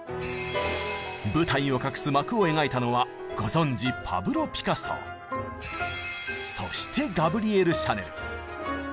舞台を隠す幕を描いたのはご存じそしてガブリエル・シャネル。